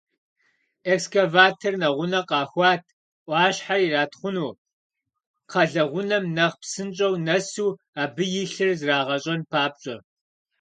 Экскаватор нэгъунэ къахуат, Ӏуащхьэр иратхъуну, кхъэлэгъунэм нэхъ псынщӀэу нэсу абы илъыр зрагъэщӀэн папщӀэ.